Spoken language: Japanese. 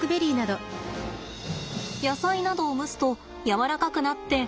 野菜などを蒸すとやわらかくなっておいしくなりますよね。